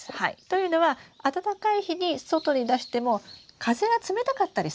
というのは暖かい日に外に出しても風が冷たかったりするんですよね。